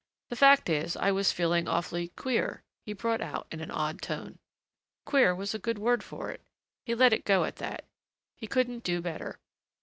"The fact is, I was feeling awfully queer," he brought out in an odd tone. Queer was a good word for it. He let it go at that. He couldn't do better.